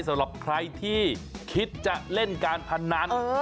สำหรับใครที่คิดจะเล่นการพนัน